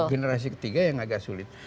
generasi ketiga yang agak sulit